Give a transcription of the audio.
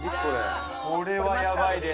・これはやばいです